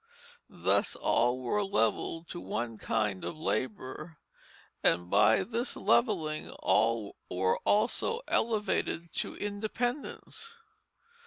Thus all were levelled to one kind of labor, and by this levelling all were also elevated to independence.